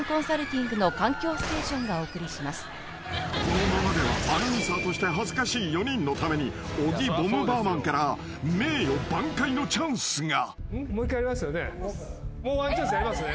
［このままではアナウンサーとして恥ずかしい４人のために小木ボムバーマンから名誉挽回のチャンスが］